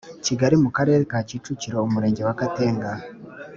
Kigali mu karere ka Kicukiro Umurenge wa Gatenga